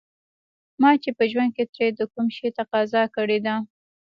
ما چې په ژوند کې ترې د کوم شي تقاضا کړې ده.